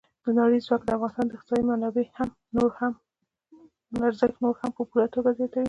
لمریز ځواک د افغانستان د اقتصادي منابعم ارزښت نور هم په پوره توګه زیاتوي.